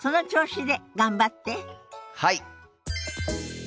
はい！